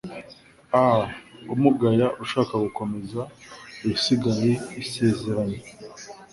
a umuyaga ushaka gukomeza ibisigaye isezeranya